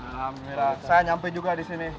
alhamdulillah saya nyampe juga disini